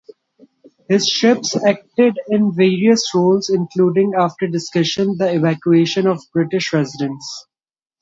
His ships acted in various roles, including, after discussion, the evacuation of British residents.